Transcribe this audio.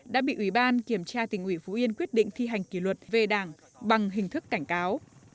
đã bị ủy ban kiểm tra tỉnh ủy phú yên quyết định thi hành kỷ luật về đảng bằng hình thức cảnh cáo